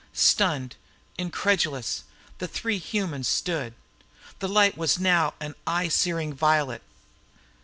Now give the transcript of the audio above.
Stunned, incredulous, the three humans stood. The light was now an eye searing violet.